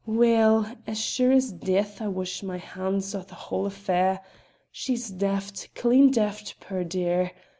Weel! as sure as death I wash my haun's o' the hale affair. She's daft; clean daft, puir dear!